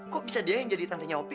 kok bisa dia yang jadi tantenya opi